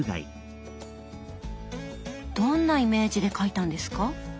どんなイメージで描いたんですか？